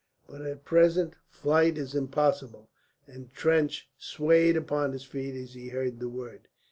But at present flight is impossible;" and Trench swayed upon his feet as he heard the word.